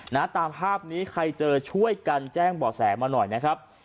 นะตามภาพนี้ใครเจอช่วยกันแจ้งบ่อแสมาหน่อยนะครับ